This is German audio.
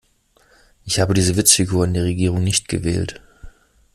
Ich habe diese Witzfigur in der Regierung nicht gewählt.